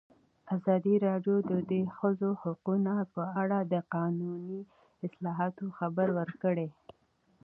ازادي راډیو د د ښځو حقونه په اړه د قانوني اصلاحاتو خبر ورکړی.